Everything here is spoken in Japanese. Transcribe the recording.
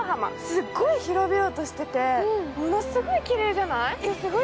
すっごい広々としててものすごいきれいじゃない？